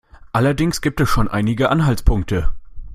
Allerdings gibt es schon einige Anhaltspunkte.